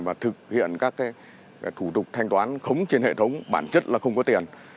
và thực hiện các thủ tục thanh toán khống trên hệ thống bản chất là không có tiền